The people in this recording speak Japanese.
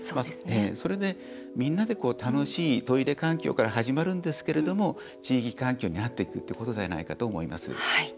それでみんなで楽しいトイレ環境から始まるんですけれども地域環境になっていくんだと思います。